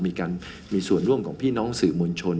มีการมีส่วนร่วมของพี่น้องสื่อมวลชน